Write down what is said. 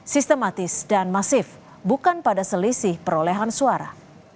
sistematis dan masif bukan pada selisih perolehan suara